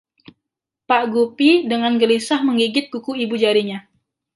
Pak Guppy dengan gelisah menggigit kuku ibu jarinya.